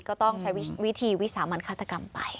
ก็ต้องใช้วิธีวิสามันฆาตกรรมไป